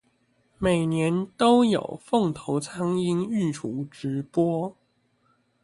每年都有鳳頭蒼鷹育雛直播